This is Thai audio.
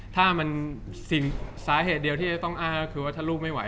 ถ้ามันสิ่งสาเหตุเดียวที่จะต้องอ้างก็คือว่าถ้าลูกไม่ไห